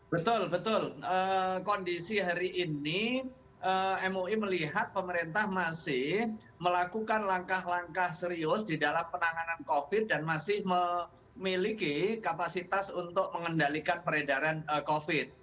betul betul kondisi hari ini mui melihat pemerintah masih melakukan langkah langkah serius di dalam penanganan covid dan masih memiliki kapasitas untuk mengendalikan peredaran covid